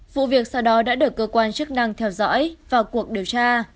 vụ việc sau đó đã được cơ quan chức năng theo dõi vào cuộc điều tra